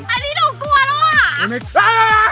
อันนี้หนูกลัวแล้วอ่ะ